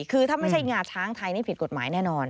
คือถ้าไม่ใช่งาช้างไทยนี่ผิดกฎหมายแน่นอน